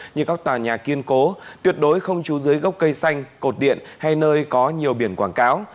như các tòa nhà kiên cố tuyệt đối không chú dưới gốc cây xanh cột điện hay nơi có nhiều biển quảng cáo